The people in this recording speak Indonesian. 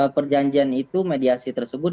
perjanjian itu mediasi tersebut